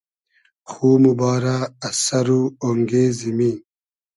خو موبارۂ از سئر و اۉنگې زیمی